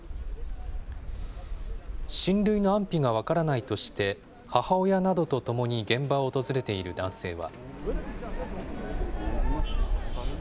親類の安否が分からないとして、母親などと共に現場を訪れている男性は。